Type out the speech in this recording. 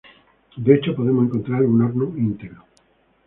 De hecho podemos encontrar un horno íntegro.